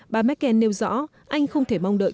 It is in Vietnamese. bà merkel nêu rõ anh không thể mong đợi